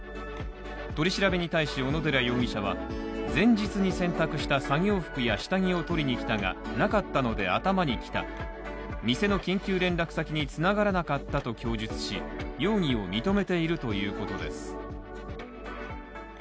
取り調べに対し小野寺容疑者は前日に洗濯した作業服や下着を取りに来たがなかったので頭にきた店の緊急連絡先につながらなかったと供述し容疑を認めているということです。